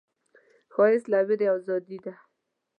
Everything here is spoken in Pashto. ښایست له ویرې ازادي ده